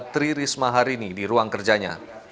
tri risma hari ini di ruang kerjanya